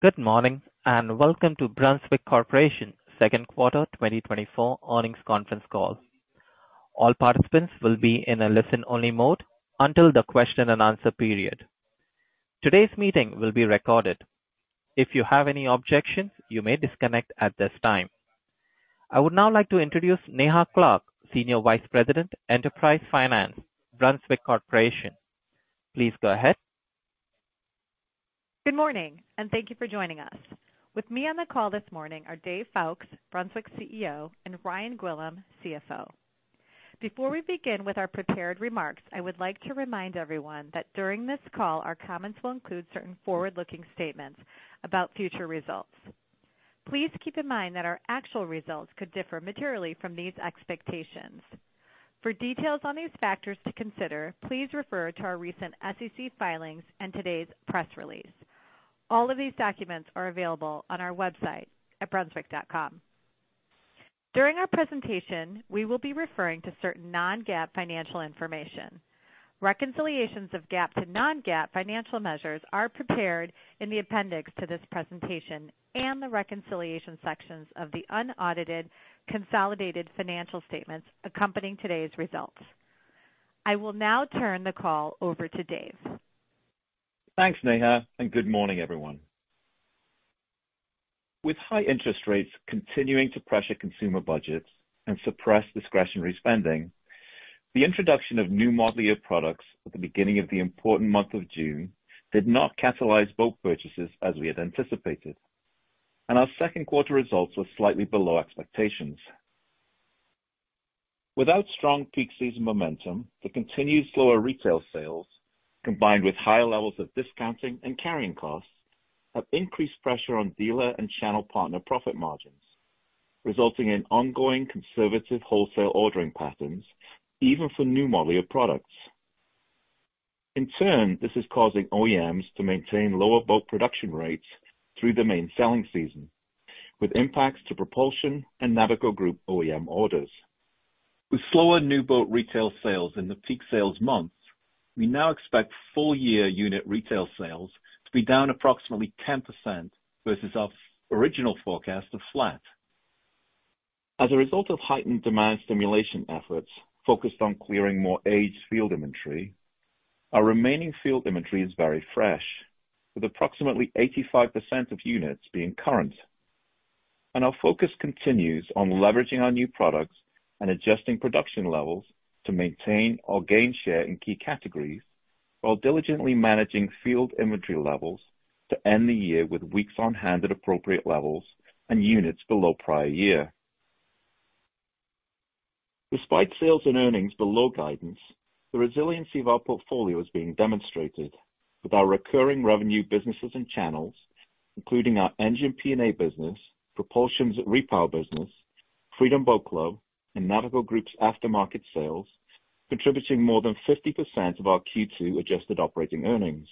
Good morning, and welcome to Brunswick Corporation second quarter 2024 earnings conference call. All participants will be in a listen-only mode until the question-and-answer period. Today's meeting will be recorded. If you have any objections, you may disconnect at this time. I would now like to introduce Neha Clark, Senior Vice President, Enterprise Finance, Brunswick Corporation. Please go ahead. Good morning, and thank you for joining us. With me on the call this morning are Dave Foulkes, Brunswick CEO, and Ryan Gwillim, CFO. Before we begin with our prepared remarks, I would like to remind everyone that during this call, our comments will include certain forward-looking statements about future results. Please keep in mind that our actual results could differ materially from these expectations. For details on these factors to consider, please refer to our recent SEC filings and today's press release. All of these documents are available on our website at brunswick.com. During our presentation, we will be referring to certain non-GAAP financial information. Reconciliations of GAAP to non-GAAP financial measures are prepared in the appendix to this presentation and the reconciliation sections of the unaudited, consolidated financial statements accompanying today's results. I will now turn the call over to Dave. Thanks, Neha, and good morning, everyone. With high interest rates continuing to pressure consumer budgets and suppress discretionary spending, the introduction of new model year products at the beginning of the important month of June did not catalyze boat purchases as we had anticipated, and our second quarter results were slightly below expectations. Without strong peak season momentum, the continued slower retail sales, combined with higher levels of discounting and carrying costs, have increased pressure on dealer and channel partner profit margins, resulting in ongoing conservative wholesale ordering patterns, even for new model year products. In turn, this is causing OEMs to maintain lower boat production rates through the main selling season, with impacts to Propulsion and Navico Group OEM orders. With slower new boat retail sales in the peak sales months, we now expect full year unit retail sales to be down approximately 10% versus our original forecast of flat. As a result of heightened demand stimulation efforts focused on clearing more aged field inventory, our remaining field inventory is very fresh, with approximately 85% of units being current. Our focus continues on leveraging our new products and adjusting production levels to maintain or gain share in key categories, while diligently managing field inventory levels to end the year with weeks on hand at appropriate levels and units below prior year. Despite sales and earnings below guidance, the resiliency of our portfolio is being demonstrated with our recurring revenue businesses and channels, including our Engine P&A business, Propulsion Repower business, Freedom Boat Club, and Navico Group's aftermarket sales, contributing more than 50% of our Q2 adjusted operating earnings.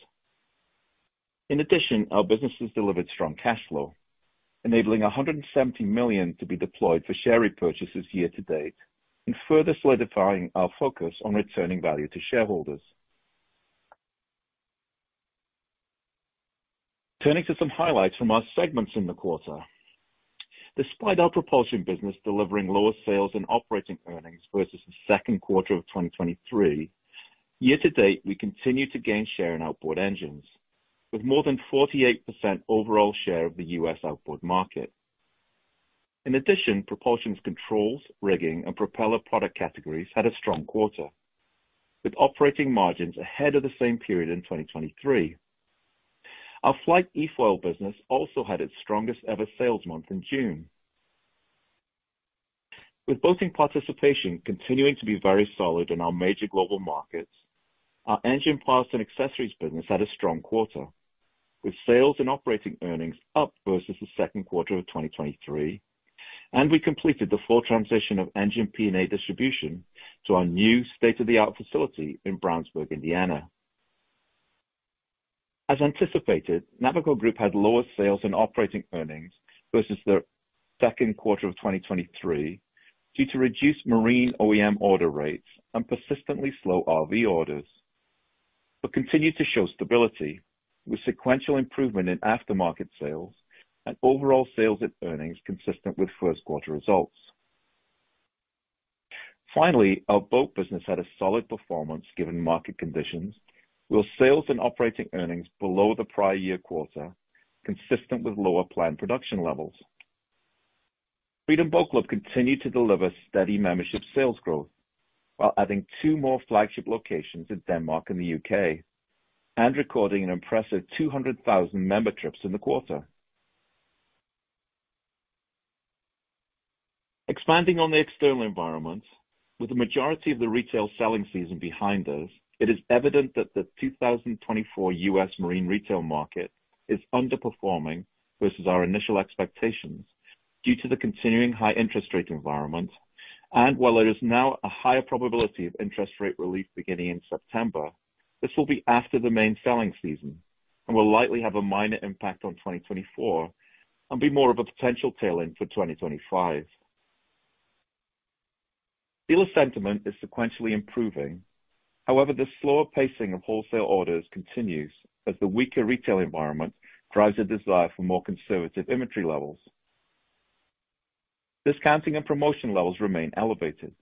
In addition, our businesses delivered strong cash flow, enabling $170 million to be deployed for share repurchases year-to-date and further solidifying our focus on returning value to shareholders. Turning to some highlights from our segments in the quarter. Despite our Propulsion business delivering lower sales and operating earnings versus the second quarter of 2023, year-to-date, we continue to gain share in outboard engines, with more than 48% overall share of the U.S. outboard market. In addition, Propulsion's controls, rigging and propeller product categories had a strong quarter, with operating margins ahead of the same period in 2023. Our Flite eFoil business also had its strongest ever sales month in June. With boating participation continuing to be very solid in our major global markets, our engine parts and accessories business had a strong quarter, with sales and operating earnings up versus the second quarter of 2023, and we completed the full transition of Engine P&A distribution to our new state-of-the-art facility in Brownsburg, Indiana. As anticipated, Navico Group had lower sales and operating earnings versus the second quarter of 2023 due to reduced marine OEM order rates and persistently slow RV orders, but continued to show stability, with sequential improvement in aftermarket sales and overall sales and earnings consistent with first quarter results. Finally, our boat business had a solid performance given market conditions, with sales and operating earnings below the prior year quarter, consistent with lower planned production levels. Freedom Boat Club continued to deliver steady membership sales growth, while adding two more flagship locations in Denmark and the U.K., and recording an impressive 200,000 member trips in the quarter. Expanding on the external environment, with the majority of the retail selling season behind us, it is evident that the 2024 U.S. marine retail market is underperforming versus our initial expectations due to the continuing high interest rate environment, and while there is now a higher probability of interest rate relief beginning in September, this will be after the main selling season and will likely have a minor impact on 2024 and be more of a potential tailwind for 2025. Dealer sentiment is sequentially improving. However, the slower pacing of wholesale orders continues as the weaker retail environment drives a desire for more conservative inventory levels. Discounting and promotion levels remain elevated,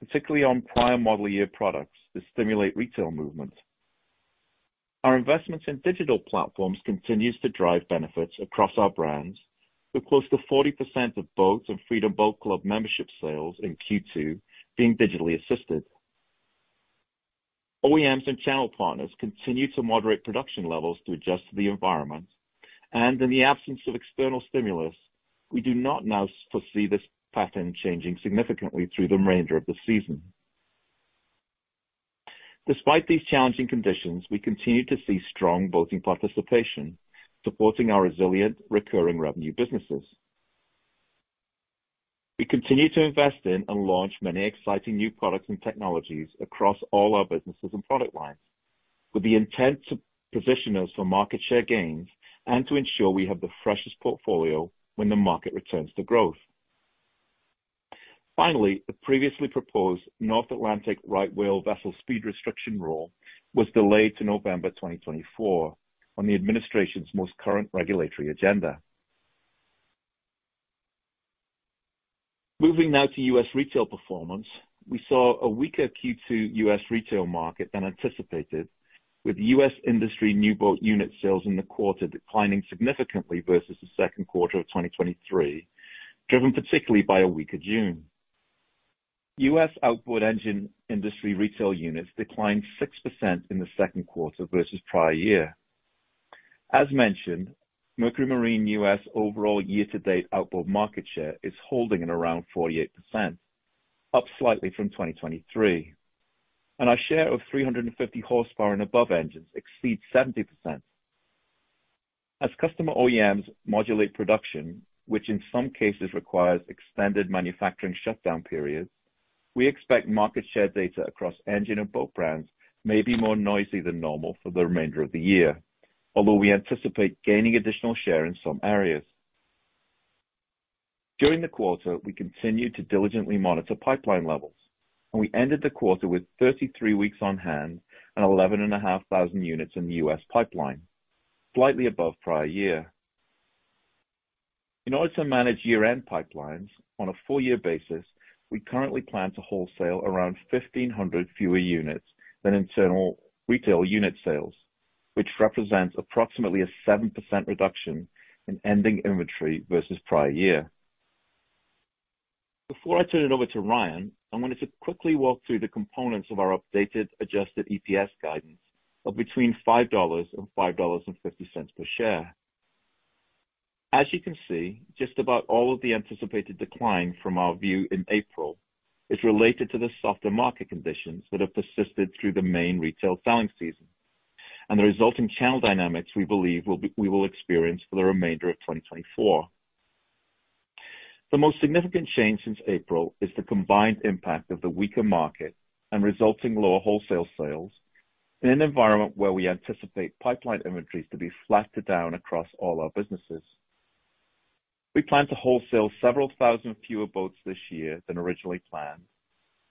particularly on prior model year products to stimulate retail movement. Our investments in digital platforms continues to drive benefits across our brands, with close to 40% of boats and Freedom Boat Club membership sales in Q2 being digitally assisted. OEMs and channel partners continue to moderate production levels to adjust to the environment, and in the absence of external stimulus, we do not now foresee this pattern changing significantly through the remainder of the season. Despite these challenging conditions, we continue to see strong boating participation, supporting our resilient recurring revenue businesses. We continue to invest in and launch many exciting new products and technologies across all our businesses and product lines, with the intent to position us for market share gains and to ensure we have the freshest portfolio when the market returns to growth. Finally, the previously proposed North Atlantic right whale vessel speed restriction rule was delayed to November 2024 on the administration's most current regulatory agenda. Moving now to U.S. retail performance. We saw a weaker Q2 U.S. retail market than anticipated, with U.S. industry new boat unit sales in the quarter declining significantly versus the second quarter of 2023, driven particularly by a weaker June. U.S. outboard engine industry retail units declined 6% in the second quarter versus prior year. As mentioned, Mercury Marine U.S. overall year-to-date outboard market share is holding at around 48%, up slightly from 2023, and our share of 350 horsepower and above engines exceeds 70%. As customer OEMs modulate production, which in some cases requires extended manufacturing shutdown periods, we expect market share data across engine and boat brands may be more noisy than normal for the remainder of the year, although we anticipate gaining additional share in some areas. During the quarter, we continued to diligently monitor pipeline levels, and we ended the quarter with 33 weeks on hand and 11,500 units in the U.S. pipeline, slightly above prior year. In order to manage year-end pipelines on a full year basis, we currently plan to wholesale around 1,500 fewer units than internal retail unit sales, which represents approximately a 7% reduction in ending inventory versus prior year. Before I turn it over to Ryan, I wanted to quickly walk through the components of our updated adjusted EPS guidance of between $5 and $5.50 per share. As you can see, just about all of the anticipated decline from our view in April is related to the softer market conditions that have persisted through the main retail selling season and the resulting channel dynamics we believe will be, we will experience for the remainder of 2024. The most significant change since April is the combined impact of the weaker market and resulting lower wholesale sales in an environment where we anticipate pipeline inventories to be flatter down across all our businesses. We plan to wholesale several thousand fewer boats this year than originally planned,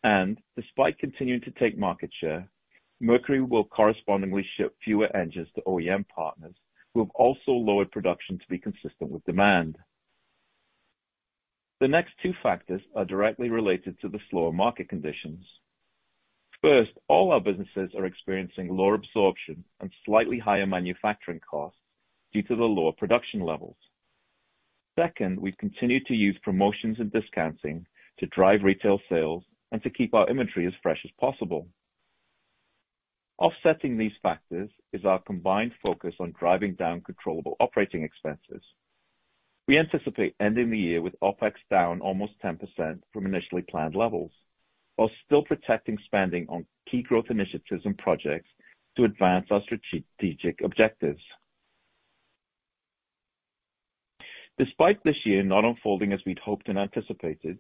and despite continuing to take market share, Mercury will correspondingly ship fewer engines to OEM partners, who have also lowered production to be consistent with demand. The next two factors are directly related to the slower market conditions. First, all our businesses are experiencing lower absorption and slightly higher manufacturing costs due to the lower production levels. Second, we've continued to use promotions and discounting to drive retail sales and to keep our inventory as fresh as possible. Offsetting these factors is our combined focus on driving down controllable operating expenses. We anticipate ending the year with OpEx down almost 10% from initially planned levels, while still protecting spending on key growth initiatives and projects to advance our strategic objectives. Despite this year not unfolding as we'd hoped and anticipated,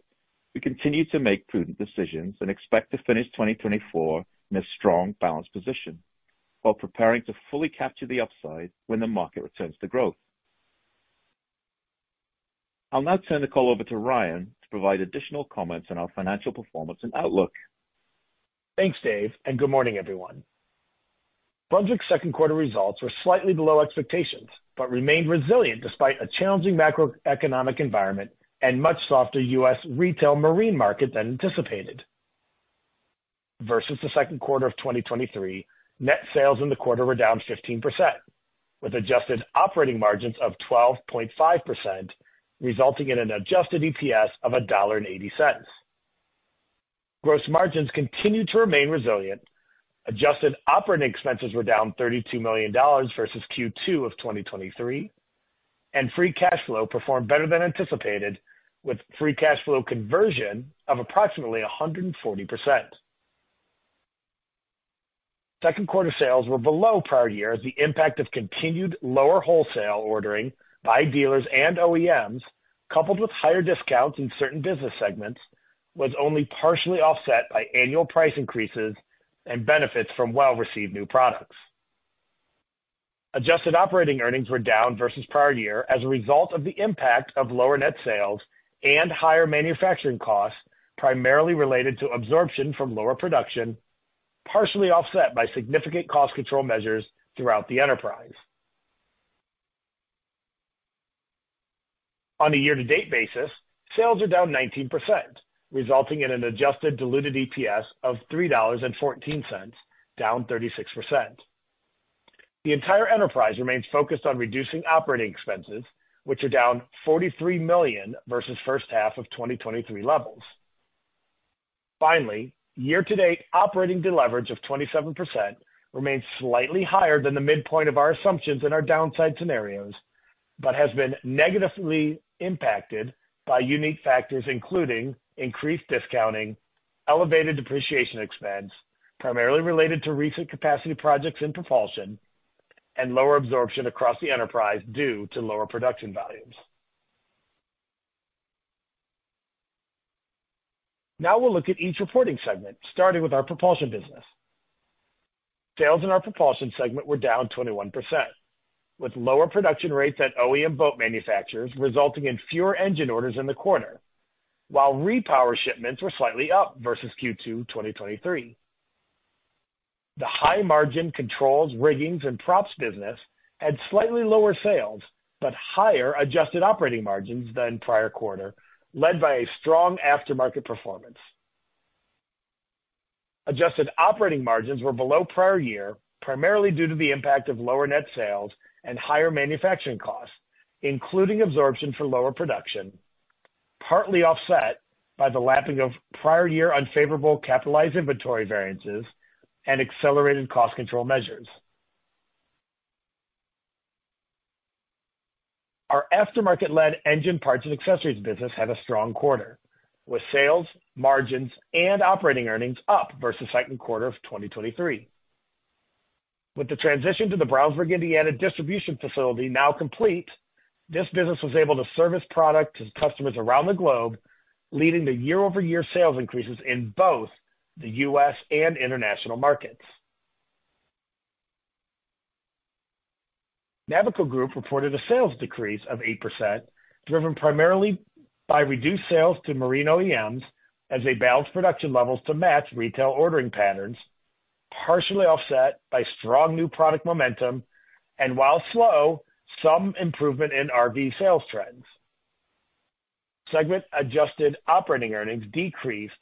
we continue to make prudent decisions and expect to finish 2024 in a strong balanced position while preparing to fully capture the upside when the market returns to growth. I'll now turn the call over to Ryan to provide additional comments on our financial performance and outlook. Thanks, Dave, and good morning, everyone. Brunswick's second quarter results were slightly below expectations, but remained resilient despite a challenging macroeconomic environment and much softer U.S. retail marine market than anticipated. Versus the second quarter of 2023, net sales in the quarter were down 15%, with adjusted operating margins of 12.5%, resulting in an adjusted EPS of $1.80. Gross margins continued to remain resilient. Adjusted operating expenses were down $32 million versus Q2 of 2023, and free cash flow performed better than anticipated, with free cash flow conversion of approximately 140%. Second quarter sales were below prior year, as the impact of continued lower wholesale ordering by dealers and OEMs, coupled with higher discounts in certain business segments, was only partially offset by annual price increases and benefits from well-received new products. Adjusted operating earnings were down versus prior year as a result of the impact of lower net sales and higher manufacturing costs, primarily related to absorption from lower production, partially offset by significant cost control measures throughout the enterprise. On a year-to-date basis, sales are down 19%, resulting in an adjusted diluted EPS of $3.14, down 36%. The entire enterprise remains focused on reducing operating expenses, which are down $43 million versus first half of 2023 levels. Finally, year-to-date operating deleverage of 27% remains slightly higher than the midpoint of our assumptions in our downside scenarios, but has been negatively impacted by unique factors, including increased discounting, elevated depreciation expense, primarily related to recent capacity projects in propulsion, and lower absorption across the enterprise due to lower production volumes. Now we'll look at each reporting segment, starting with our propulsion business. Sales in our propulsion segment were down 21%, with lower production rates at OEM boat manufacturers resulting in fewer engine orders in the quarter, while repower shipments were slightly up versus Q2 2023. The high-margin controls, riggings, and props business had slightly lower sales, but higher adjusted operating margins than prior quarter, led by a strong aftermarket performance. Adjusted operating margins were below prior year, primarily due to the impact of lower net sales and higher manufacturing costs, including absorption for lower production, partly offset by the lapping of prior year unfavorable capitalized inventory variances and accelerated cost control measures. Our aftermarket-led engine parts and accessories business had a strong quarter, with sales, margins, and operating earnings up versus second quarter of 2023. With the transition to the Brownsburg, Indiana, distribution facility now complete, this business was able to service product to customers around the globe, leading to year-over-year sales increases in both the U.S. and international markets. Navico Group reported a sales decrease of 8%, driven primarily by reduced sales to marine OEMs as they balanced production levels to match retail ordering patterns, partially offset by strong new product momentum, and while slow, some improvement in RV sales trends. Segment adjusted operating earnings decreased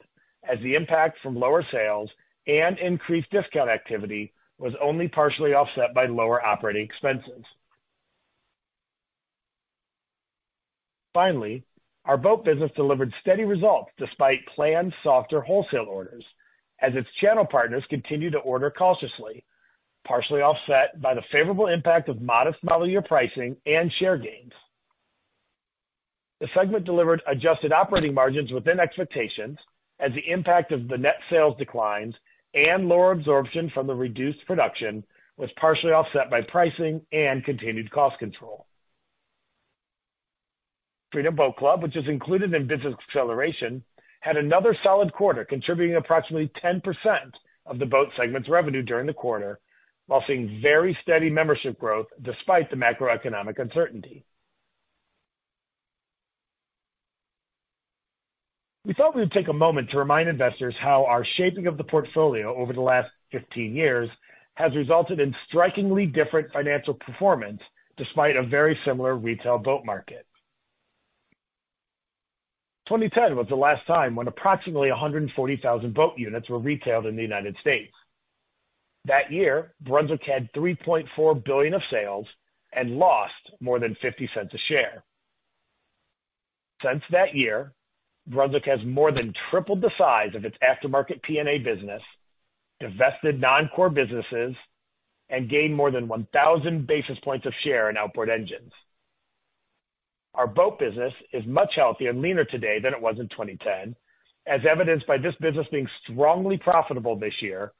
as the impact from lower sales and increased discount activity was only partially offset by lower operating expenses. Finally, our boat business delivered steady results despite planned softer wholesale orders, as its channel partners continued to order cautiously, partially offset by the favorable impact of modest model year pricing and share gains. The segment delivered adjusted operating margins within expectations, as the impact of the net sales declines and lower absorption from the reduced production was partially offset by pricing and continued cost control. Freedom Boat Club, which is included in business acceleration, had another solid quarter, contributing approximately 10% of the boat segment's revenue during the quarter, while seeing very steady membership growth despite the macroeconomic uncertainty. We thought we would take a moment to remind investors how our shaping of the portfolio over the last 15 years has resulted in strikingly different financial performance, despite a very similar retail boat market. 2010 was the last time when approximately 140,000 boat units were retailed in the United States. That year, Brunswick had $3.4 billion of sales and lost more than $0.50 a share. Since that year, Brunswick has more than tripled the size of its aftermarket P&A business, divested non-core businesses, and gained more than 1,000 basis points of share in outboard engines. Our boat business is much healthier and leaner today than it was in 2010, as evidenced by this business being strongly profitable this year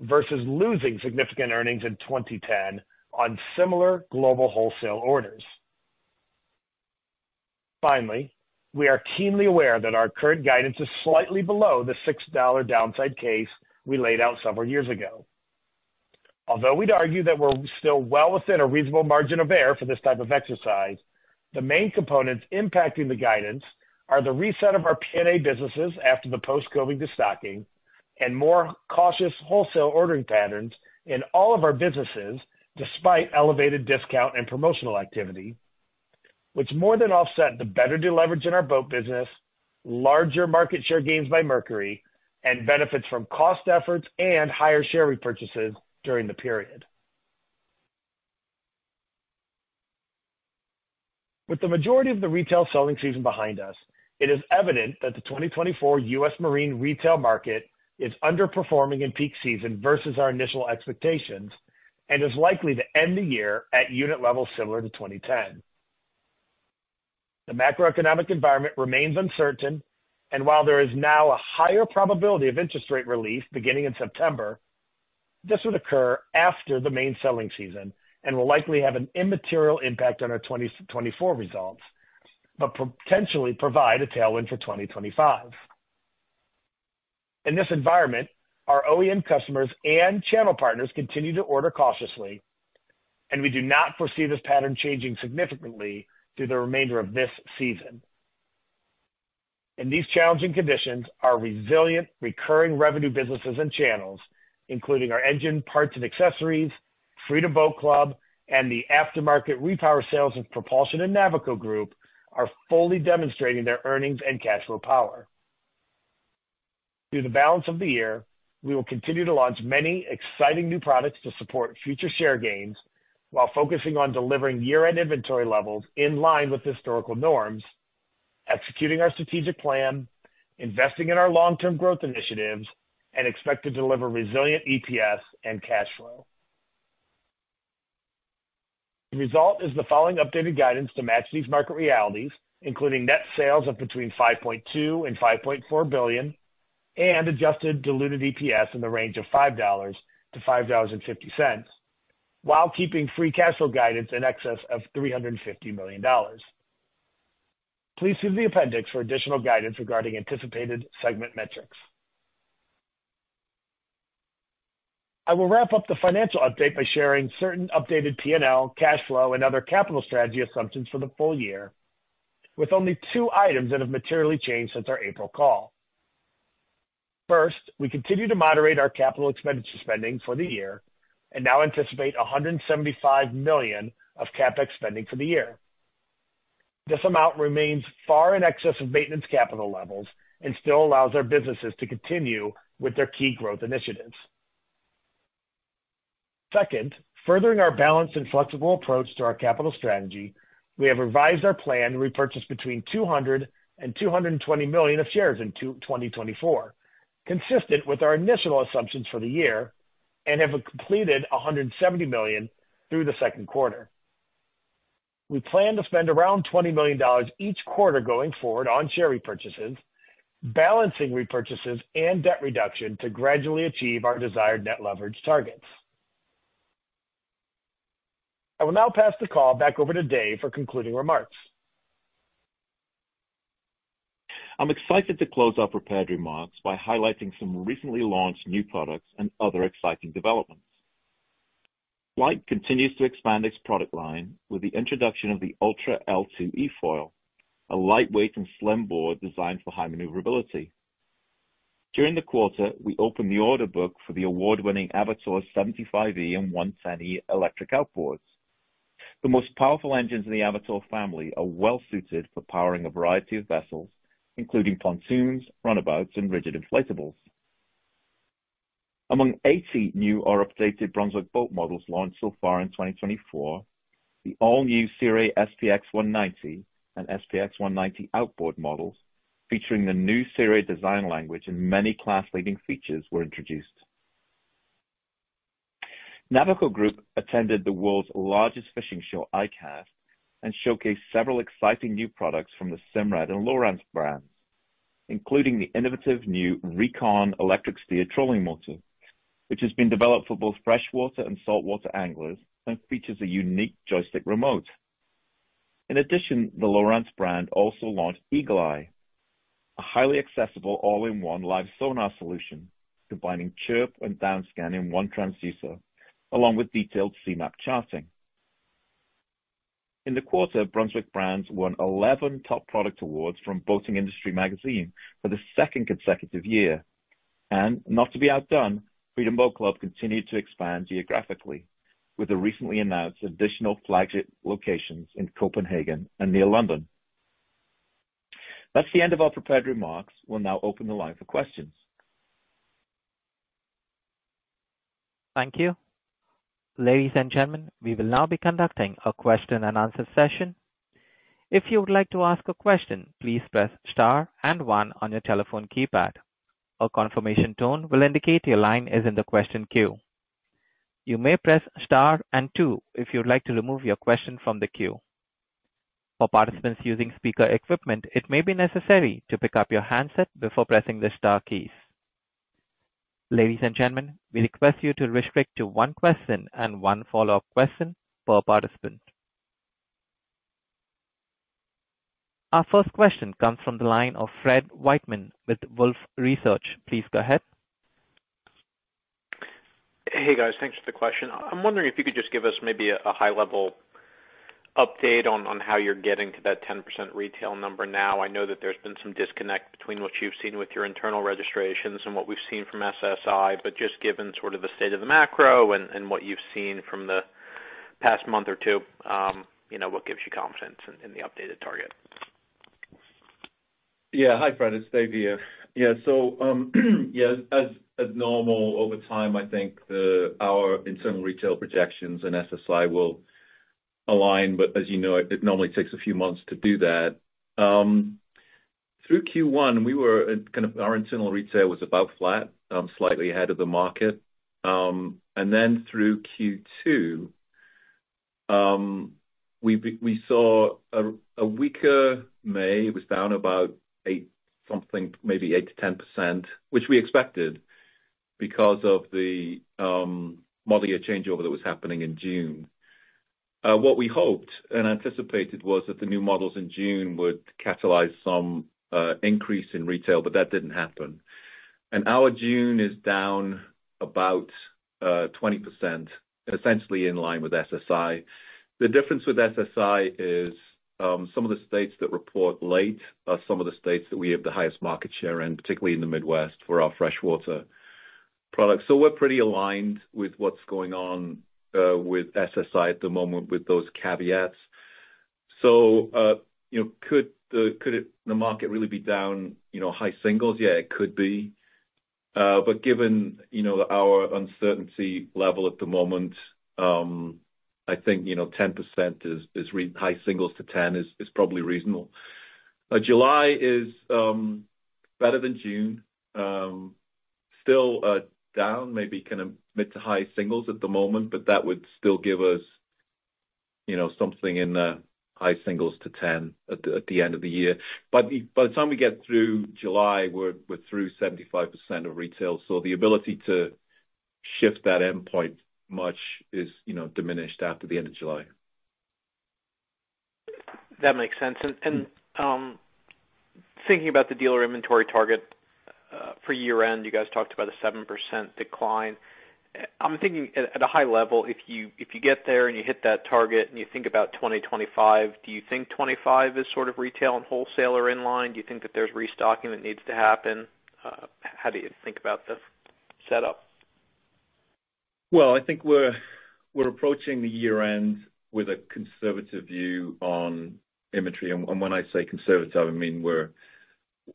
versus losing significant earnings in 2010 on similar global wholesale orders. Finally, we are keenly aware that our current guidance is slightly below the $6 downside case we laid out several years ago. Although we'd argue that we're still well within a reasonable margin of error for this type of exercise, the main components impacting the guidance are the reset of our P&A businesses after the post-COVID restocking and more cautious wholesale ordering patterns in all of our businesses, despite elevated discount and promotional activity, which more than offset the better deleverage in our boat business, larger market share gains by Mercury, and benefits from cost efforts and higher share repurchases during the period. With the majority of the retail selling season behind us, it is evident that the 2024 U.S. marine retail market is underperforming in peak season versus our initial expectations and is likely to end the year at unit levels similar to 2010. The macroeconomic environment remains uncertain, and while there is now a higher probability of interest rate relief beginning in September, this would occur after the main selling season and will likely have an immaterial impact on our 2024 results, but potentially provide a tailwind for 2025. In this environment, our OEM customers and channel partners continue to order cautiously, and we do not foresee this pattern changing significantly through the remainder of this season. In these challenging conditions, our resilient, recurring revenue businesses and channels, including our engine parts and accessories, Freedom Boat Club, and the aftermarket repower sales of Propulsion and Navico Group, are fully demonstrating their earnings and cash flow power. Through the balance of the year, we will continue to launch many exciting new products to support future share gains, while focusing on delivering year-end inventory levels in line with historical norms, executing our strategic plan, investing in our long-term growth initiatives, and expect to deliver resilient EPS and cash flow. The result is the following updated guidance to match these market realities, including net sales of between $5.2 billion and $5.4 billion, and Adjusted Diluted EPS in the range of $5-$5.50, while keeping Free Cash Flow guidance in excess of $350 million. Please see the appendix for additional guidance regarding anticipated segment metrics. I will wrap up the financial update by sharing certain updated PNL, cash flow, and other capital strategy assumptions for the full year, with only two items that have materially changed since our April call. First, we continue to moderate our capital expenditure spending for the year and now anticipate $175 million of CapEx spending for the year. This amount remains far in excess of maintenance capital levels and still allows our businesses to continue with their key growth initiatives. Second, furthering our balanced and flexible approach to our capital strategy, we have revised our plan to repurchase between $200 million and $220 million of shares in 2024, consistent with our initial assumptions for the year and have completed $170 million through the second quarter. We plan to spend around $20 million each quarter going forward on share repurchases, balancing repurchases and debt reduction to gradually achieve our desired net leverage targets. I will now pass the call back over to Dave for concluding remarks. I'm excited to close our prepared remarks by highlighting some recently launched new products and other exciting developments. Flite continues to expand its product line with the introduction of the Ultra L2 eFoil, a lightweight and slim board designed for high maneuverability. During the quarter, we opened the order book for the award-winning Mercury Avator 75e and 110e electric outboards. The most powerful engines in the Avator family are well suited for powering a variety of vessels, including pontoons, runabouts, and rigid inflatables. Among 80 new or updated Brunswick Boat models launched so far in 2024, the all-new Sea Ray SPX 190 and SPX 190 outboard models, featuring the new Sea Ray design language and many class-leading features, were introduced. Navico Group attended the world's largest fishing show, ICAST, and showcased several exciting new products from the Simrad and Lowrance brands, including the innovative new Recon electric steer trolling motor, which has been developed for both freshwater and saltwater anglers and features a unique joystick remote. In addition, the Lowrance brand also launched Eagle Eye, a highly accessible all-in-one live sonar solution, combining CHIRP and DownScan in one transducer, along with detailed C-MAP charting. In the quarter, Brunswick Brands won 11 top product awards from Boating Industry Magazine for the second consecutive year, and not to be outdone, Freedom Boat Club continued to expand geographically, with the recently announced additional flagship locations in Copenhagen and near London. That's the end of our prepared remarks. We'll now open the line for questions. Thank you. Ladies and gentlemen, we will now be conducting a question-and-answer session. If you would like to ask a question, please press star and one on your telephone keypad. A confirmation tone will indicate your line is in the question queue. You may press star and two if you would like to remove your question from the queue. For participants using speaker equipment, it may be necessary to pick up your handset before pressing the star keys. Ladies and gentlemen, we request you to restrict to one question and one follow-up question per participant. Our first question comes from the line of Fred Wightman with Wolfe Research. Please go ahead. Hey, guys. Thanks for the question. I'm wondering if you could just give us maybe a high-level update on how you're getting to that 10% retail number now. I know that there's been some disconnect between what you've seen with your internal registrations and what we've seen from SSI, but just given sort of the state of the macro and what you've seen from the past month or two, you know, what gives you confidence in the updated target? Yeah. Hi, Fred, it's Dave here. Yeah, so, yeah, as normal, over time, I think the, our internal retail projections and SSI will align, but as you know, it, it normally takes a few months to do that. Through Q1, we were kind of—our internal retail was about flat, slightly ahead of the market. And then through Q2, we saw a, a weaker May. It was down about eight, something, maybe 8%-10%, which we expected because of the, model year changeover that was happening in June. ... What we hoped and anticipated was that the new models in June would catalyze some increase in retail, but that didn't happen. And our June is down about 20%, essentially in line with SSI. The difference with SSI is some of the states that report late are some of the states that we have the highest market share in, particularly in the Midwest, for our freshwater products. So we're pretty aligned with what's going on with SSI at the moment, with those caveats. So, you know, could the, could it—the market really be down, you know, high singles? Yeah, it could be. But given, you know, our uncertainty level at the moment, I think, you know, 10% is reasonable. High singles to 10% is probably reasonable. July is better than June. Still down, maybe kind of mid to high singles at the moment, but that would still give us, you know, something in the high singles to 10 at the end of the year. By the time we get through July, we're through 75% of retail, so the ability to shift that endpoint much is, you know, diminished after the end of July. That makes sense. Thinking about the dealer inventory target for year-end, you guys talked about a 7% decline. I'm thinking at a high level, if you get there, and you hit that target, and you think about 2025, do you think 25 is sort of retail and wholesale in line? Do you think that there's restocking that needs to happen? How do you think about the setup? Well, I think we're approaching the year-end with a conservative view on inventory. And when I say conservative, I mean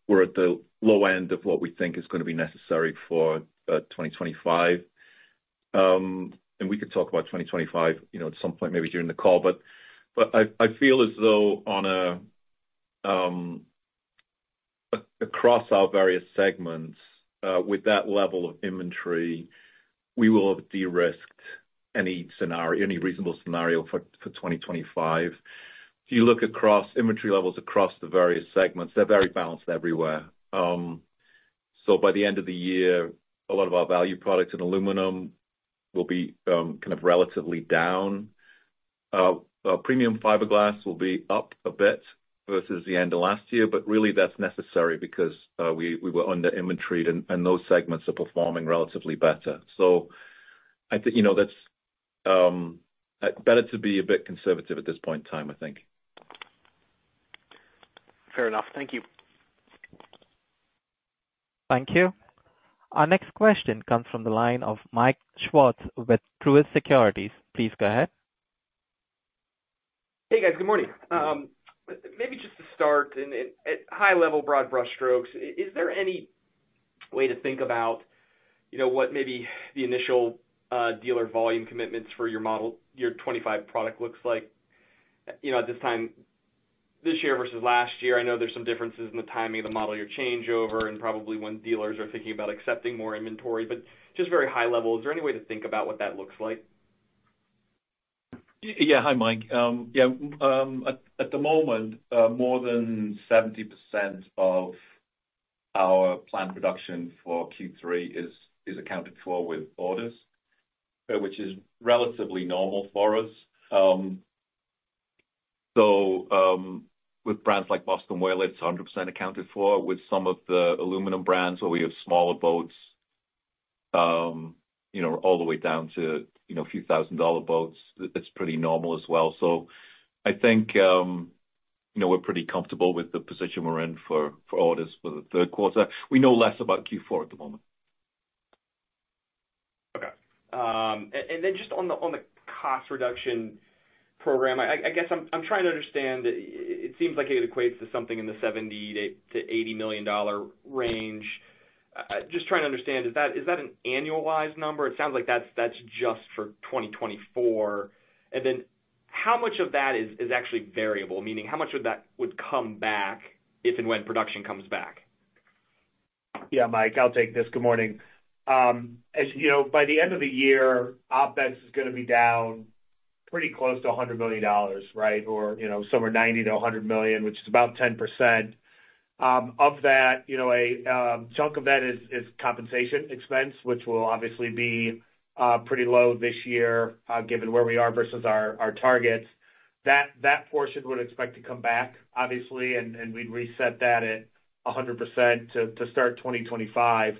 we're at the low end of what we think is gonna be necessary for 2025. And we can talk about 2025, you know, at some point, maybe during the call. But I feel as though across our various segments, with that level of inventory, we will have de-risked any scenario, any reasonable scenario for 2025. If you look across inventory levels across the various segments, they're very balanced everywhere. So by the end of the year, a lot of our value products in aluminum will be kind of relatively down. Our premium fiberglass will be up a bit versus the end of last year, but really that's necessary because we were under-inventoried, and those segments are performing relatively better. So I think, you know, that's better to be a bit conservative at this point in time, I think. Fair enough. Thank you. Thank you. Our next question comes from the line of Mike Swartz with Truist Securities. Please go ahead. Hey, guys. Good morning. Maybe just to start, and at, at high level, broad brush strokes, is there any way to think about, you know, what maybe the initial dealer volume commitments for your model year 2025 product looks like? You know, at this time, this year versus last year, I know there's some differences in the timing of the model year changeover and probably when dealers are thinking about accepting more inventory, but just very high level, is there any way to think about what that looks like? Yeah. Hi, Mike. Yeah, at the moment, more than 70% of our planned production for Q3 is accounted for with orders, which is relatively normal for us. So, with brands like Boston Whaler, it's 100% accounted for. With some of the aluminum brands where we have smaller boats, you know, all the way down to, you know, a few thousand-dollar boats, it's pretty normal as well. So I think, you know, we're pretty comfortable with the position we're in for orders for the third quarter. We know less about Q4 at the moment. Okay. And then just on the cost reduction program, I guess I'm trying to understand. It seems like it equates to something in the $70 million-$80 million range. Just trying to understand, is that an annualized number? It sounds like that's just for 2024. And then how much of that is actually variable? Meaning, how much of that would come back if and when production comes back? Yeah, Mike, I'll take this. Good morning. As you know, by the end of the year, OpEx is gonna be down pretty close to $100 million, right? Or, you know, somewhere $90 million-$100 million, which is about 10%. Of that, you know, a chunk of that is compensation expense, which will obviously be pretty low this year, given where we are versus our targets. That portion would expect to come back, obviously, and we'd reset that at 100% to start 2025.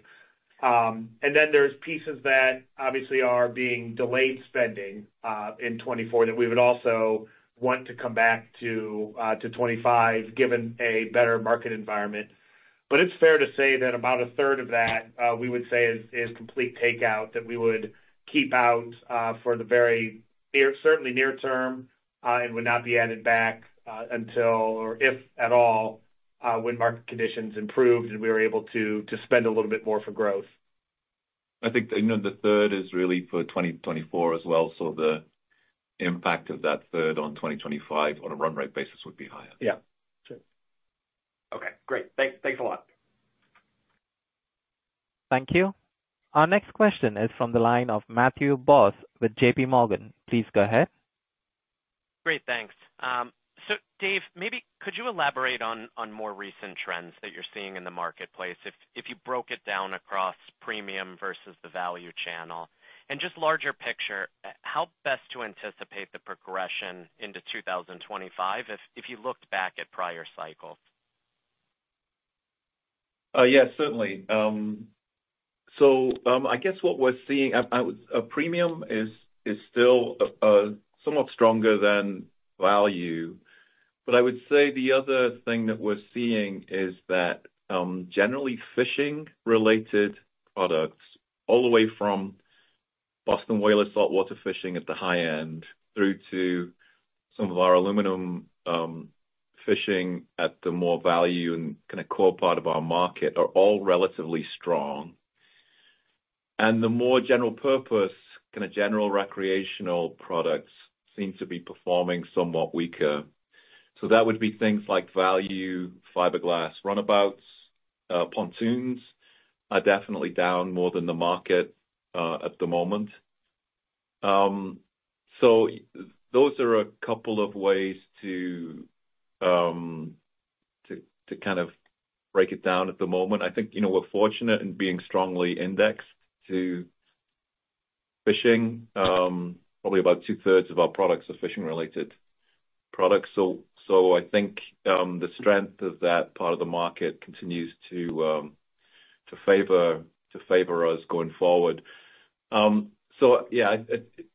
And then there's pieces that obviously are being delayed spending in 2024, that we would also want to come back to, to 2025, given a better market environment. It's fair to say that about a third of that, we would say is complete takeout, that we would keep out, for the very near term, certainly near term, and would not be added back, until or if at all, when market conditions improved, and we were able to spend a little bit more for growth. I think, you know, the third is really for 2024 as well, so the impact of that third on 2025 on a run rate basis would be higher. Yeah, sure. Okay, great. Thanks a lot. Thank you. Our next question is from the line of Matthew Boss with JPMorgan. Please go ahead.... Great, thanks. So Dave, maybe could you elaborate on more recent trends that you're seeing in the marketplace, if you broke it down across premium versus the value channel? And just larger picture, how best to anticipate the progression into 2025, if you looked back at prior cycles? Yes, certainly. So, I guess what we're seeing, I would—premium is still somewhat stronger than value. But I would say the other thing that we're seeing is that, generally, fishing related products, all the way from Boston Whaler saltwater fishing at the high end, through to some of our aluminum, fishing at the more value and kind of core part of our market, are all relatively strong. And the more general purpose, kind of general recreational products seem to be performing somewhat weaker. So that would be things like value, fiberglass, runabouts, pontoons, are definitely down more than the market, at the moment. So those are a couple of ways to kind of break it down at the moment. I think, you know, we're fortunate in being strongly indexed to fishing. Probably about two thirds of our products are fishing-related products. So, I think, the strength of that part of the market continues to favor us going forward. So yeah,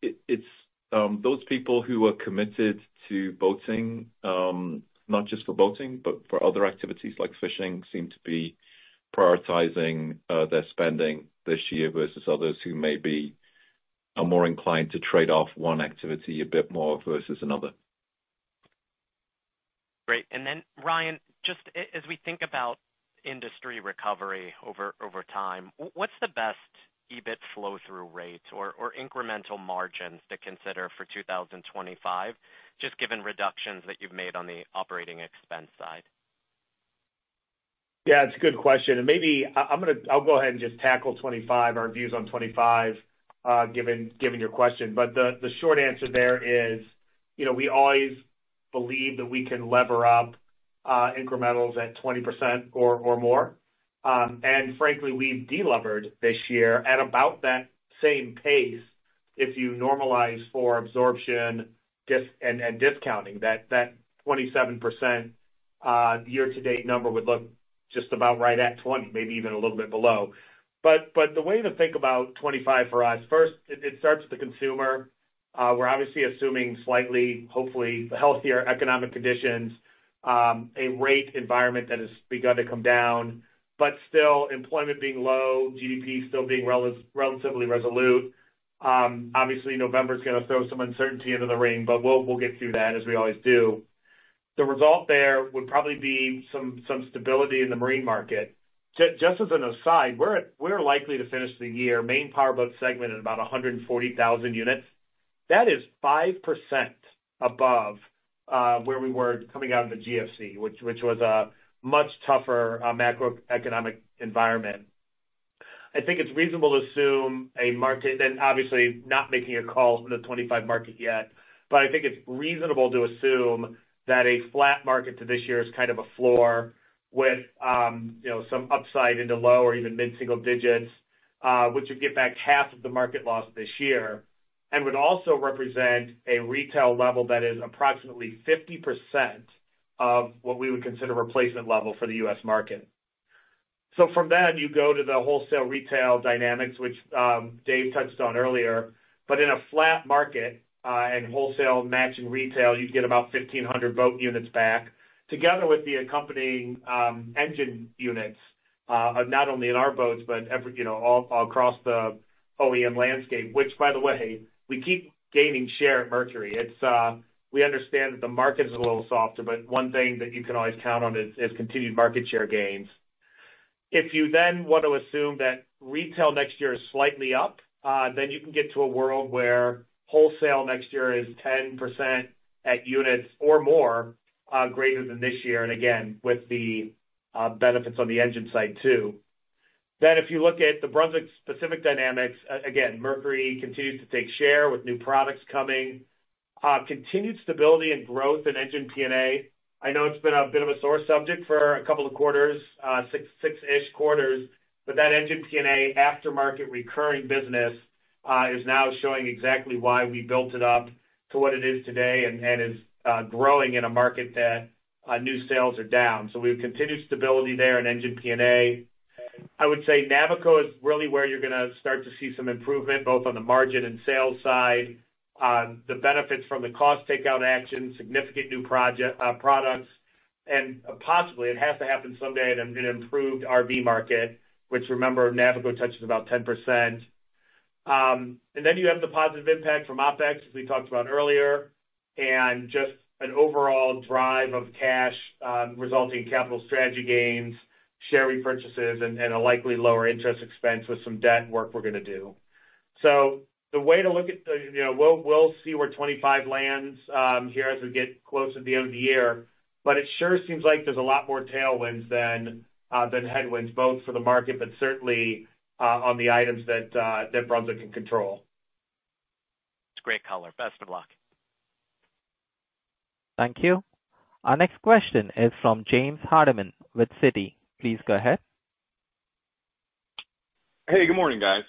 it's those people who are committed to boating, not just for boating, but for other activities like fishing, seem to be prioritizing their spending this year versus others who may be more inclined to trade off one activity a bit more versus another. Great. And then, Ryan, just as we think about industry recovery over time, what's the best EBIT flow through rate or incremental margins to consider for 2025, just given reductions that you've made on the operating expense side? Yeah, it's a good question, and maybe I, I'm gonna—I'll go ahead and just tackle 25, our views on 25, given your question. But the, the short answer there is, you know, we always believe that we can lever up, incrementals at 20% or more. And frankly, we've delevered this year at about that same pace. If you normalize for absorption and discounting, that 27%, year-to-date number would look just about right at 20, maybe even a little bit below. But the way to think about 25 for us, first, it starts with the consumer. We're obviously assuming slightly, hopefully, healthier economic conditions, a rate environment that has begun to come down, but still employment being low, GDP still being relatively resolute. Obviously, November's gonna throw some uncertainty into the ring, but we'll get through that, as we always do. The result there would probably be some stability in the marine market. Just as an aside, we're likely to finish the year main power boat segment at about 140,000 units. That is 5% above where we were coming out of the GFC, which was a much tougher macroeconomic environment. I think it's reasonable to assume a market, and obviously not making a call on the 25 market yet, but I think it's reasonable to assume that a flat market to this year is kind of a floor with, you know, some upside into low or even mid-single digits, which would get back half of the market loss this year, and would also represent a retail level that is approximately 50% of what we would consider replacement level for the U.S. market. So from that, you go to the wholesale retail dynamics, which, Dave touched on earlier. But in a flat market, and wholesale matching retail, you'd get about 1,500 boat units back, together with the accompanying, engine units, not only in our boats, but every, you know, all across the OEM landscape, which, by the way, we keep gaining share at Mercury. It's, we understand that the market is a little softer, but one thing that you can always count on is, is continued market share gains. If you then want to assume that retail next year is slightly up, then you can get to a world where wholesale next year is 10% at units or more, greater than this year, and again, with the, benefits on the engine side, too. Then, if you look at the Brunswick-specific dynamics, again, Mercury continues to take share with new products coming. Continued stability and growth in engine P&A. I know it's been a bit of a sore subject for a couple of quarters, six, six-ish quarters, but that engine P&A aftermarket recurring business is now showing exactly why we built it up to what it is today and, and is growing in a market that new sales are down. So we have continued stability there in engine P&A. I would say Navico is really where you're gonna start to see some improvement, both on the margin and sales side. The benefits from the cost takeout action, significant new products, and possibly, it has to happen someday in an improved RV market, which, remember, Navico touches about 10%. And then you have the positive impact from OpEx, as we talked about earlier, and just an overall drive of cash, resulting in capital strategy gains, share repurchases, and, and a likely lower interest expense with some debt work we're gonna do. So the way to look at the... You know, we'll, we'll see where 25 lands, here as we get closer to the end of the year, but it sure seems like there's a lot more tailwinds than, than headwinds, both for the market, but certainly, on the items that, that Brunswick can control. It's great color. Best of luck.... Thank you. Our next question is from James Hardiman with Citi. Please go ahead. Hey, good morning, guys.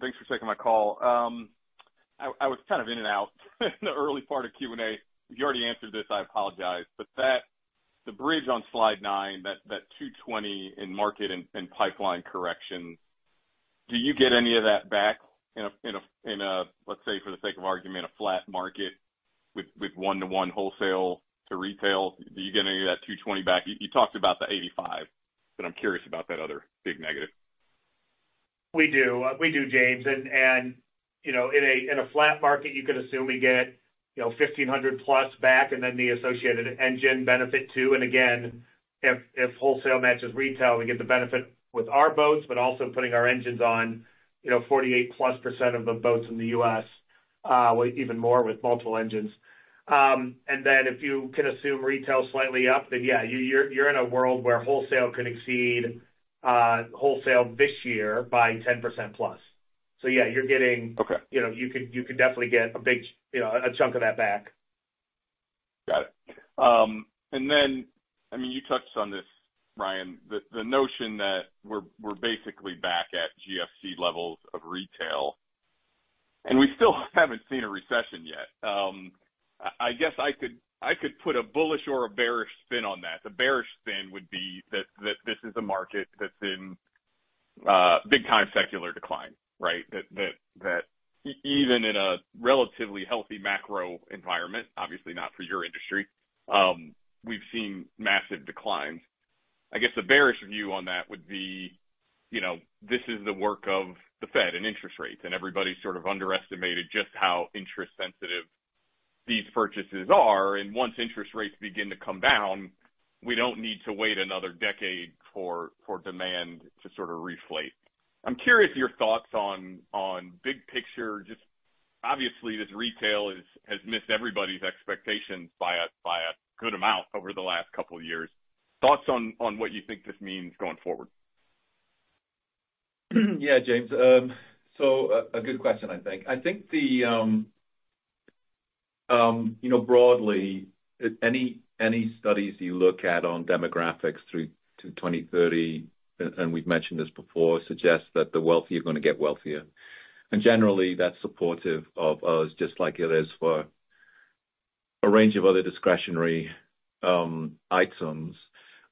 Thanks for taking my call. I was kind of in and out in the early part of Q&A. If you already answered this, I apologize, but that bridge on slide nine, that $220 in market and pipeline correction, do you get any of that back in a, let's say, for the sake of argument, a flat market with 1:1 wholesale to retail? Do you get any of that $220 back? You talked about the $85, but I'm curious about that other big negative. We do. We do, James. And, you know, in a flat market, you could assume we get, you know, 1,500 plus back, and then the associated engine benefit, too. And again, if wholesale matches retail, we get the benefit with our boats, but also putting our engines on, you know, 48%+ of the boats in the U.S., with even more with multiple engines. And then if you can assume retail slightly up, then yeah, you're in a world where wholesale can exceed wholesale this year by 10%+. So yeah, you're getting- Okay. You know, you could, you could definitely get a big, you know, a chunk of that back. Got it. And then, I mean, you touched on this, Ryan, the notion that we're basically back at GFC levels of retail, and we still haven't seen a recession yet. I guess I could put a bullish or a bearish spin on that. The bearish spin would be that this is a market that's in big time secular decline, right? That even in a relatively healthy macro environment, obviously not for your industry, we've seen massive declines. I guess the bearish view on that would be, you know, this is the work of the Fed and interest rates, and everybody sort of underestimated just how interest sensitive these purchases are, and once interest rates begin to come down, we don't need to wait another decade for demand to sort of reflate. I'm curious your thoughts on big picture. Just obviously, this retail has missed everybody's expectations by a good amount over the last couple of years. Thoughts on what you think this means going forward? Yeah, James. So a good question, I think. I think the, you know, broadly, any studies you look at on demographics through to 2030, and we've mentioned this before, suggest that the wealthy are gonna get wealthier. And generally, that's supportive of us, just like it is for a range of other discretionary items.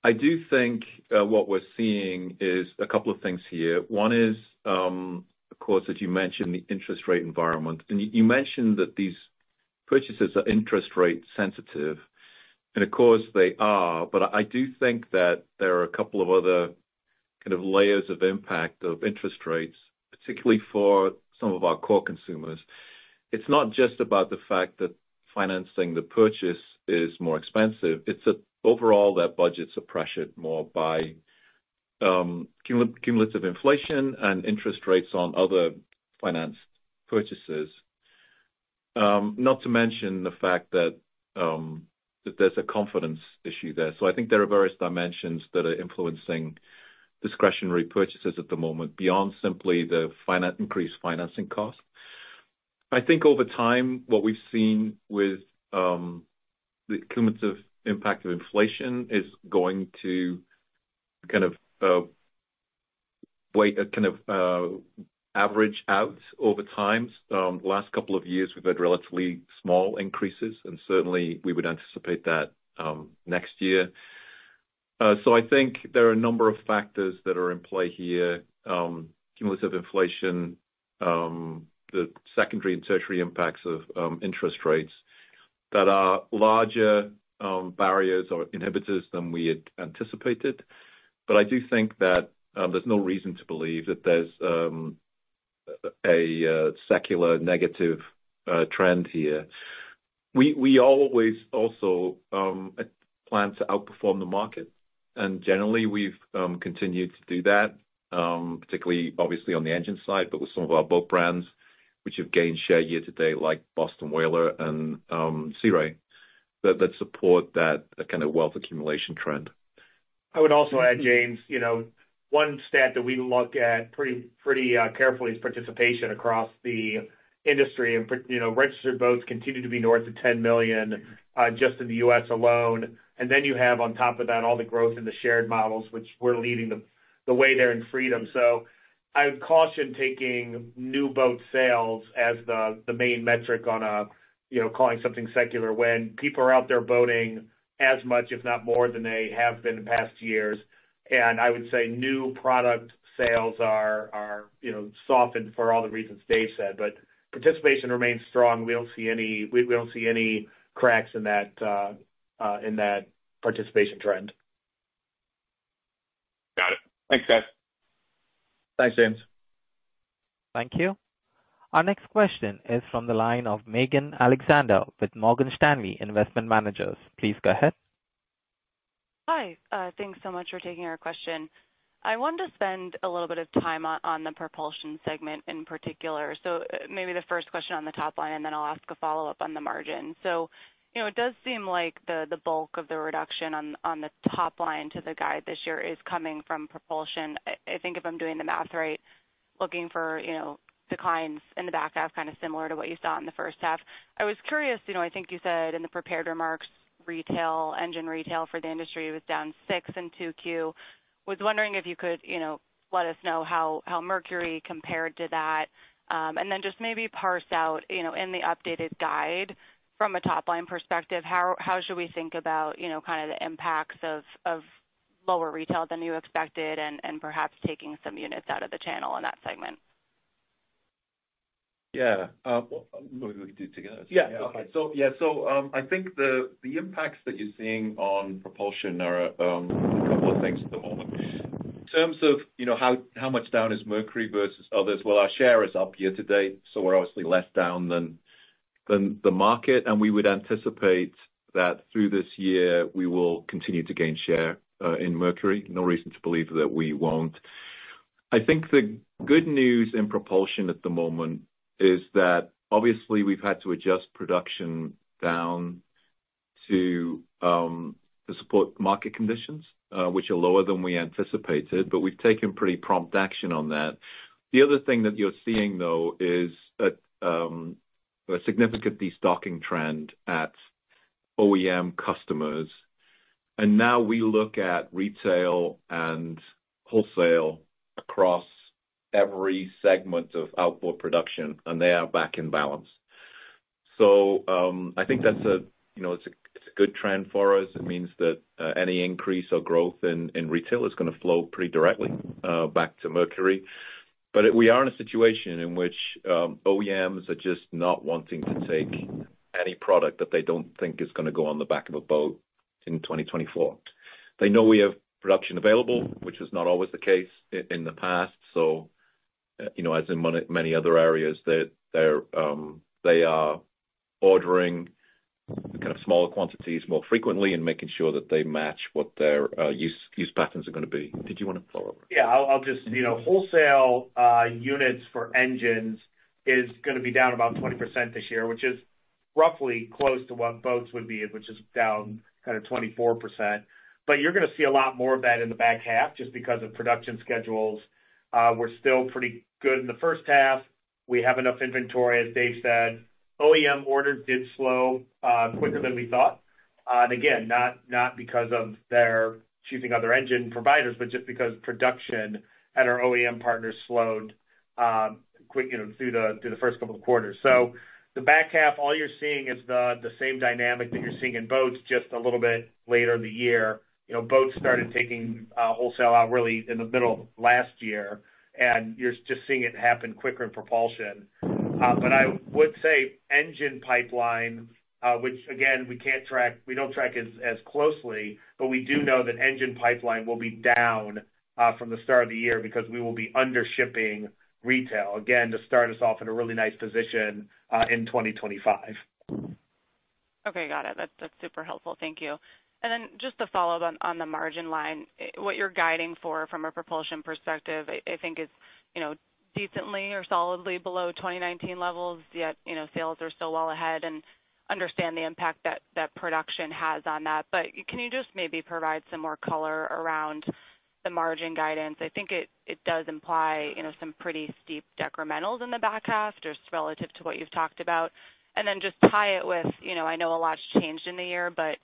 I do think what we're seeing is a couple of things here. One is, of course, as you mentioned, the interest rate environment. And you mentioned that these purchases are interest rate sensitive, and of course, they are. But I do think that there are a couple of other kind of layers of impact of interest rates, particularly for some of our core consumers. It's not just about the fact that financing the purchase is more expensive, it's that overall, their budgets are pressured more by cumulative inflation and interest rates on other financed purchases. Not to mention the fact that there's a confidence issue there. So I think there are various dimensions that are influencing discretionary purchases at the moment, beyond simply the increased financing costs. I think over time, what we've seen with the cumulative impact of inflation is going to kind of average out over time. The last couple of years, we've had relatively small increases, and certainly, we would anticipate that next year. So I think there are a number of factors that are in play here, cumulative inflation, the secondary and tertiary impacts of interest rates, that are larger barriers or inhibitors than we had anticipated. But I do think that there's no reason to believe that there's a secular negative trend here. We always also plan to outperform the market, and generally we've continued to do that, particularly obviously on the engine side, but with some of our boat brands, which have gained share year-to-date, like Boston Whaler and Sea Ray, that support that kind of wealth accumulation trend. I would also add, James, you know, one stat that we look at pretty carefully is participation across the industry. And you know, registered boats continue to be north of 10 million, just in the U.S. alone. And then you have, on top of that, all the growth in the shared models, which we're leading the way there in Freedom. So I would caution taking new boat sales as the main metric on a, you know, calling something secular, when people are out there boating as much, if not more than they have been in past years. And I would say new product sales are, you know, softened for all the reasons Dave said, but participation remains strong. We don't see any—we don't see any cracks in that, in that participation trend. Got it. Thanks, guys. Thanks, James. Thank you. Our next question is from the line of Megan Alexander with Morgan Stanley Investment Managers. Please go ahead. Hi. Thanks so much for taking our question. I wanted to spend a little bit of time on, on the propulsion segment in particular. So, maybe the first question on the top line, and then I'll ask a follow-up on the margin. So, you know, it does seem like the, the bulk of the reduction on, on the top line to the guide this year is coming from propulsion. I think if I'm doing the math right, looking for, you know, declines in the back half, kind of similar to what you saw in the first half. I was curious, you know, I think you said in the prepared remarks, retail, engine retail for the industry was down 6 in 2Q. Was wondering if you could, you know, let us know how Mercury compared to that. And then just maybe parse out, you know, in the updated guide from a top line perspective, how should we think about, you know, kind of the impacts of lower retail than you expected and perhaps taking some units out of the channel in that segment? Yeah. Well, we could do it together. Yeah. Okay. So, yeah, so, I think the impacts that you're seeing on propulsion are a couple of things at the moment. In terms of, you know, how much down is Mercury versus others, well, our share is up year-to-date, so we're obviously less down than the market, and we would anticipate that through this year, we will continue to gain share in Mercury. No reason to believe that we won't. I think the good news in propulsion at the moment is that obviously we've had to adjust production down to support market conditions, which are lower than we anticipated, but we've taken pretty prompt action on that. The other thing that you're seeing, though, is that a significant destocking trend at OEM customers, and now we look at retail and wholesale across every segment of outboard production, and they are back in balance. So, I think that's a, you know, it's a good trend for us. It means that any increase or growth in retail is gonna flow pretty directly back to Mercury. But we are in a situation in which OEMs are just not wanting to take any product that they don't think is gonna go on the back of a boat in 2024. They know we have production available, which is not always the case in the past, so, you know, as in many, many other areas, they're, they're, they are ordering kind of smaller quantities more frequently and making sure that they match what their use patterns are gonna be. Did you wanna follow up? Yeah, I'll just, you know, wholesale units for engines is gonna be down about 20% this year, which is roughly close to what boats would be, which is down kind of 24%. But you're gonna see a lot more of that in the back half, just because of production schedules. We're still pretty good in the first half. We have enough inventory, as Dave said. OEM orders did slow quicker than we thought. And again, not, not because they're choosing other engine providers, but just because production at our OEM partners slowed quick, you know, through the first couple of quarters. So the back half, all you're seeing is the same dynamic that you're seeing in boats, just a little bit later in the year. You know, boats started taking wholesale out really in the middle of last year, and you're just seeing it happen quicker in propulsion. But I would say engine pipeline, which again, we can't track, we don't track as closely, but we do know that engine pipeline will be down from the start of the year because we will be under shipping retail, again, to start us off in a really nice position in 2025. Okay, got it. That's super helpful. Thank you. And then just to follow up on the margin line, what you're guiding for from a propulsion perspective, I think is, you know, decently or solidly below 2019 levels, yet, you know, sales are still well ahead and understand the impact that production has on that. But can you just maybe provide some more color around the margin guidance? I think it does imply, you know, some pretty steep decrementals in the back half, just relative to what you've talked about. And then just tie it with, you know, I know a lot's changed in the year, but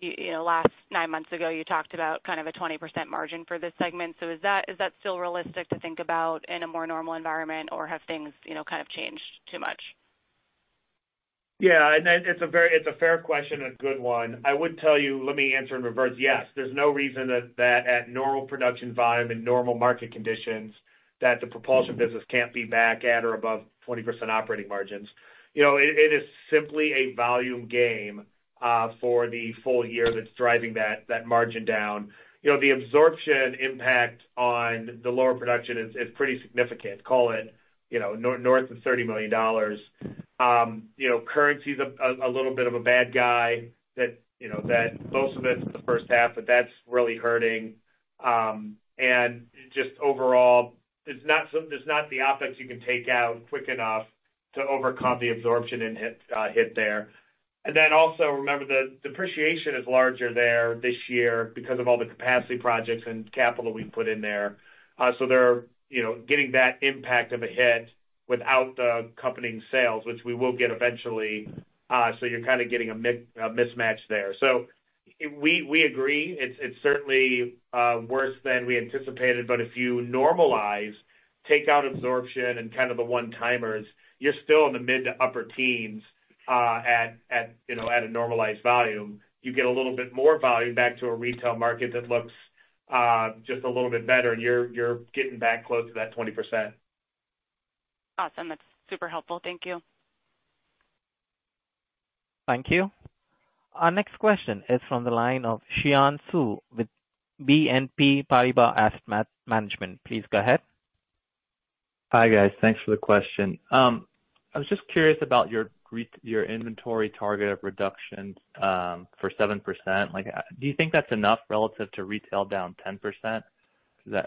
you know, last nine months ago, you talked about kind of a 20% margin for this segment. Is that, is that still realistic to think about in a more normal environment, or have things, you know, kind of changed too much? Yeah, it's a very fair question and a good one. I would tell you, let me answer in reverse. Yes, there's no reason that at normal production volume and normal market conditions, that the propulsion business can't be back at or above 20% operating margins. You know, it is simply a volume game for the full year that's driving that margin down. You know, the absorption impact on the lower production is pretty significant. Call it, you know, north of $30 million. You know, currency's a little bit of a bad guy that most of it's the first half, but that's really hurting. And just overall, there's not the OpEx you can take out quick enough to overcome the absorption and hit there. And then also, remember, the depreciation is larger there this year because of all the capacity projects and capital we've put in there. So they're, you know, getting that impact of a hit without the accompanying sales, which we will get eventually. So you're kind of getting a mismatch there. So we, we agree, it's, it's certainly worse than we anticipated, but if you normalize, take out absorption and kind of the one-timers, you're still in the mid to upper teens at a normalized volume. You know, you get a little bit more volume back to a retail market that looks just a little bit better, and you're, you're getting back close to that 20%. Awesome. That's super helpful. Thank you. Thank you. Our next question is from the line of Xian Siew with BNP Paribas Asset Management. Please go ahead. Hi, guys. Thanks for the question. I was just curious about your inventory target of reductions for 7%. Like, do you think that's enough relative to retail down 10%? I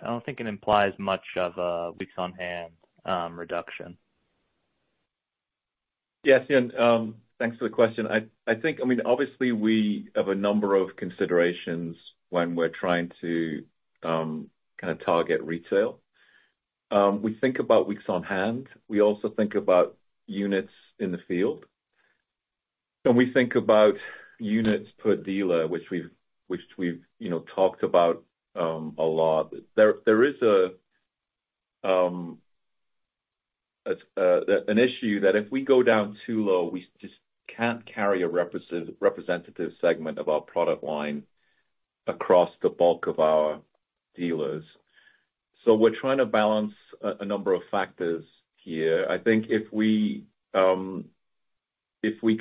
don't think it implies much of a weeks on hand reduction.... Yes, Xian, thanks for the question. I think, I mean, obviously, we have a number of considerations when we're trying to kind of target retail. We think about weeks on hand, we also think about units in the field, and we think about units per dealer, which we've you know, talked about a lot. There is an issue that if we go down too low, we just can't carry a representative segment of our product line across the bulk of our dealers. So we're trying to balance a number of factors here. I think if we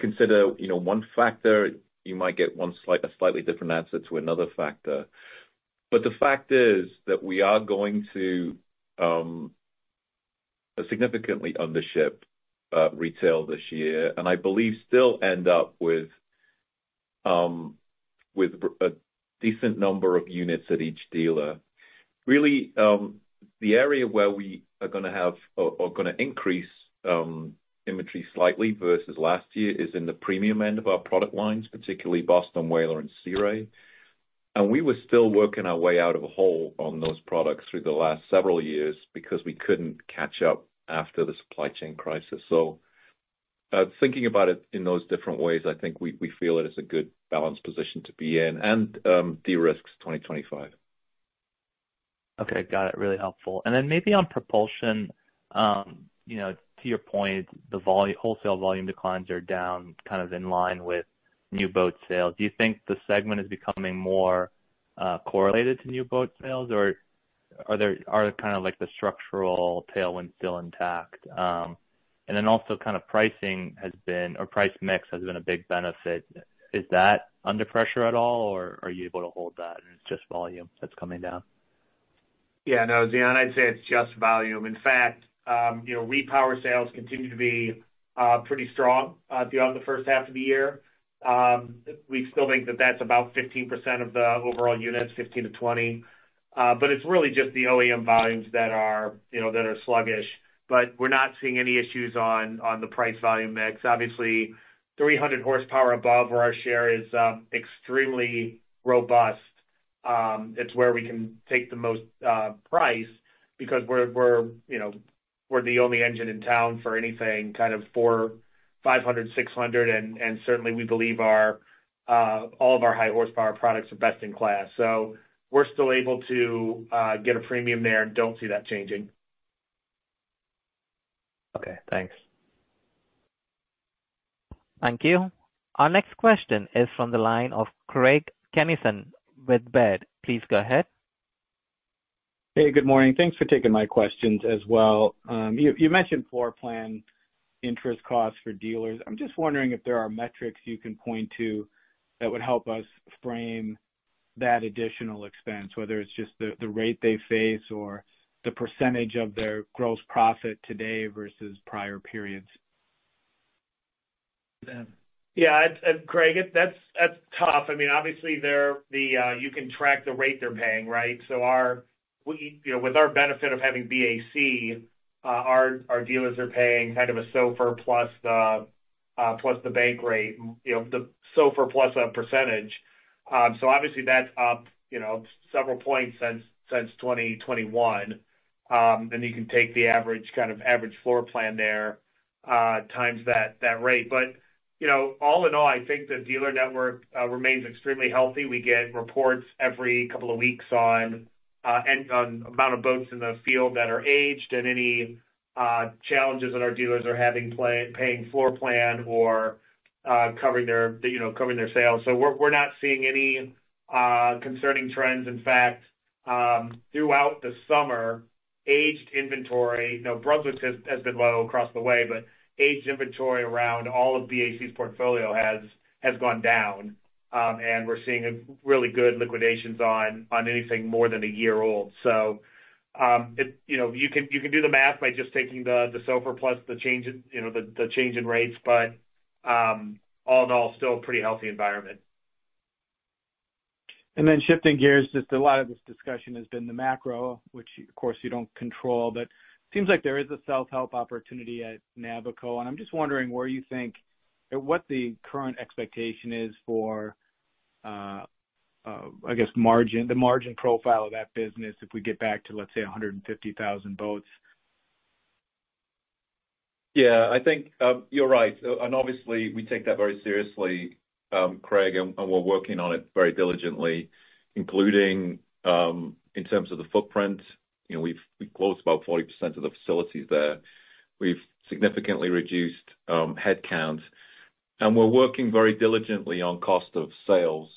consider, you know, one factor, you might get a slightly different answer to another factor. But the fact is that we are going to significantly undership retail this year, and I believe still end up with a decent number of units at each dealer. Really, the area where we are gonna have or gonna increase inventory slightly versus last year is in the premium end of our product lines, particularly Boston Whaler and Sea Ray. And we were still working our way out of a hole on those products through the last several years because we couldn't catch up after the supply chain crisis. So, thinking about it in those different ways, I think we feel it is a good balanced position to be in and derisks 2025. Okay, got it. Really helpful. Then maybe on propulsion, you know, to your point, the wholesale volume declines are down kind of in line with new boat sales. Do you think the segment is becoming more correlated to new boat sales, or are there kind of like the structural tailwinds still intact? Then also kind of pricing has been, or price mix has been a big benefit. Is that under pressure at all, or are you able to hold that, and it's just volume that's coming down? Yeah, no, Zion, I'd say it's just volume. In fact, you know, repower sales continue to be pretty strong throughout the first half of the year. We still think that that's about 15% of the overall units, 15-20. But it's really just the OEM volumes that are, you know, that are sluggish. But we're not seeing any issues on the price volume mix. Obviously, 300hp above where our share is extremely robust. It's where we can take the most price because we're, we're, you know, we're the only engine in town for anything kind of 400, 500, 600, and certainly we believe our all of our high horsepower products are best in class. So we're still able to get a premium there and don't see that changing. Okay, thanks. Thank you. Our next question is from the line of Craig Kennison with Baird. Please go ahead. Hey, good morning. Thanks for taking my questions as well. You mentioned floor plan interest costs for dealers. I'm just wondering if there are metrics you can point to that would help us frame that additional expense, whether it's just the rate they face or the percentage of their gross profit today versus prior periods? Yeah, it, Craig, that's tough. I mean, obviously, they're the... you can track the rate they're paying, right? So our, we, you know, with our benefit of having BAC, our dealers are paying kind of a SOFR plus the, plus the bank rate, you know, the SOFR plus a percentage. So obviously, that's up, you know, several points since 2021. And you can take the average, kind of average floor plan there, times that rate. But, you know, all in all, I think the dealer network remains extremely healthy. We get reports every couple of weeks on, and on amount of boats in the field that are aged and any, challenges that our dealers are having paying floor plan or, covering their, you know, covering their sales. So we're not seeing any concerning trends. In fact, throughout the summer, aged inventory, you know, Brunswick has been low across the way, but aged inventory around all of BAC's portfolio has gone down, and we're seeing a really good liquidations on anything more than a year old. So, you know, you can do the math by just taking the SOFR plus the change in, you know, the change in rates, but all in all, still a pretty healthy environment. And then shifting gears, just a lot of this discussion has been the macro, which of course you don't control, but it seems like there is a self-help opportunity at Navico, and I'm just wondering where you think or what the current expectation is for, I guess margin, the margin profile of that business if we get back to, let's say, 150,000 boats? Yeah, I think you're right. And obviously, we take that very seriously, Craig, and we're working on it very diligently, including in terms of the footprint. You know, we've closed about 40% of the facilities there. We've significantly reduced headcount, and we're working very diligently on cost of sales.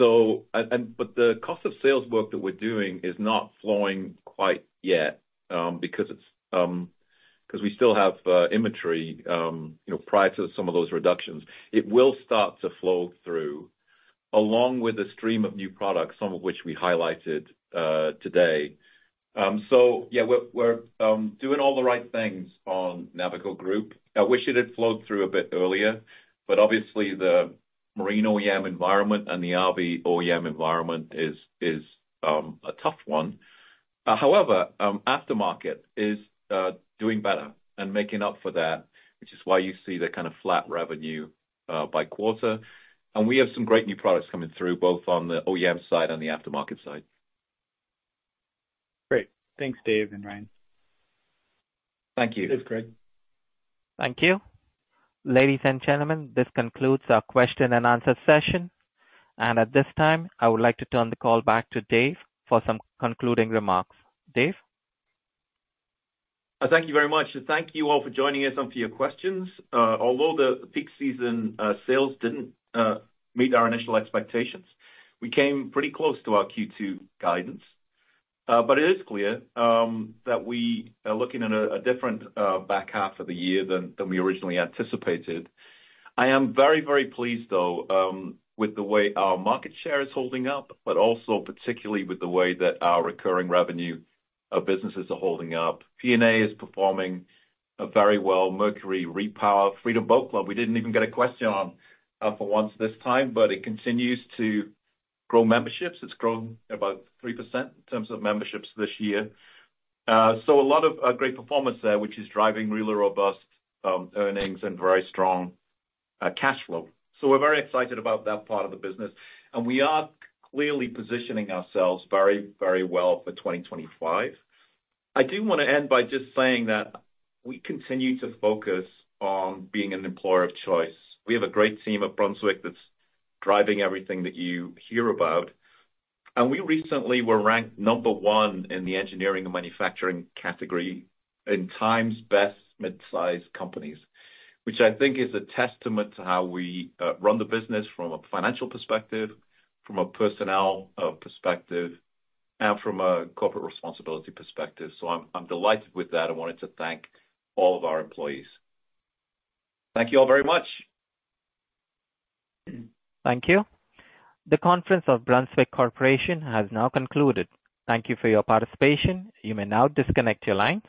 So and, but the cost of sales work that we're doing is not flowing quite yet, because we still have inventory, you know, prior to some of those reductions. It will start to flow through, along with a stream of new products, some of which we highlighted today. So yeah, we're doing all the right things on Navico Group. I wish it had flowed through a bit earlier, but obviously the marine OEM environment and the RV OEM environment is a tough one. However, aftermarket is doing better and making up for that, which is why you see the kind of flat revenue by quarter. We have some great new products coming through, both on the OEM side and the aftermarket side. Great. Thanks, Dave and Ryan. Thank you. Thanks, Craig. Thank you. Ladies and gentlemen, this concludes our question-and-answer session. At this time, I would like to turn the call back to Dave for some concluding remarks. Dave? Thank you very much, and thank you all for joining us and for your questions. Although the peak season sales didn't meet our initial expectations, we came pretty close to our Q2 guidance. But it is clear that we are looking at a different back half of the year than we originally anticipated. I am very, very pleased, though, with the way our market share is holding up, but also particularly with the way that our recurring revenue, our businesses are holding up. P&A is performing very well. Mercury Repower, Freedom Boat Club, we didn't even get a question on, for once this time, but it continues to grow memberships. It's grown about 3% in terms of memberships this year. So a lot of great performance there, which is driving really robust earnings and very strong cash flow. So we're very excited about that part of the business, and we are clearly positioning ourselves very, very well for 2025. I do wanna end by just saying that we continue to focus on being an employer of choice. We have a great team at Brunswick that's driving everything that you hear about. And we recently were ranked number one in the engineering and manufacturing category in Time's Best Midsize Companies, which I think is a testament to how we run the business from a financial perspective, from a personnel perspective, and from a corporate responsibility perspective. So I'm delighted with that. I wanted to thank all of our employees. Thank you all very much. Thank you. The conference of Brunswick Corporation has now concluded. Thank you for your participation. You may now disconnect your line.